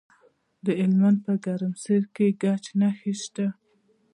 د هلمند په ګرمسیر کې د ګچ نښې شته.